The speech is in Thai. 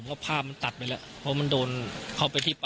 แล้วก็ได้คุยกับนายวิรพันธ์สามีของผู้ตายที่ว่าโดนกระสุนเฉียวริมฝีปากไปนะคะ